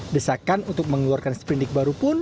desakan untuk mengeluarkan sprindik baru pun